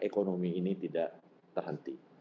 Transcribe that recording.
ekonomi ini tidak terhenti